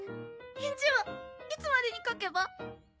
返事はいつまでに書けば？